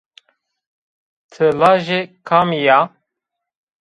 Ti lajê kamî ya?